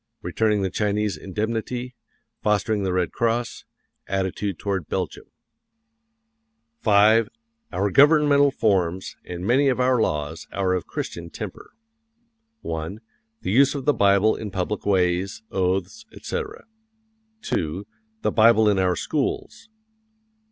Returning the Chinese Indemnity; fostering the Red Cross; attitude toward Belgium. V. OUR GOVERNMENTAL FORMS AND MANY OF OUR LAWS ARE OF A CHRISTIAN TEMPER. 1. The use of the Bible in public ways, oaths, etc. 2. The Bible in our schools.